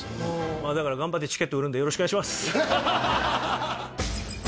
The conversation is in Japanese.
まあだから頑張ってチケット売るんでよろしくお願いします！